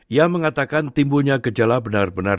ia mengatakan timbulnya gejala benar benar